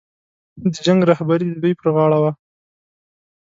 د جنګ رهبري د دوی پر غاړه وه.